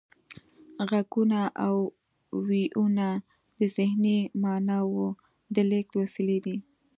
غږونه او وییونه د ذهني معناوو د لیږد وسیلې دي